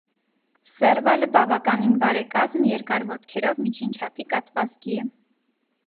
Սերվալը բավականին բարեկազմ, երկար ոտքերով, միջին չափի կատվազգի է։